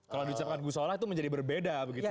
kalau dicatakan gus soleh itu menjadi berbeda begitu ya